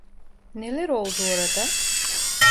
Neler oldu orada?